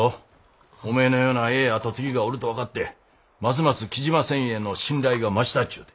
おめえのようなええ後継ぎがおると分かってますます雉真繊維への信頼が増したっちゅうて。